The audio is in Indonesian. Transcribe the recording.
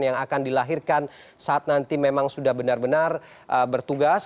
yang akan dilahirkan saat nanti memang sudah benar benar bertugas